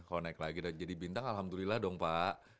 kalau naik lagi jadi bintang alhamdulillah dong pak